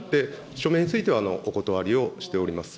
署名についてはお断りをしております。